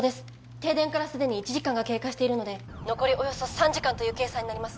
停電から既に１時間が経過しているので残りおよそ３時間という計算になります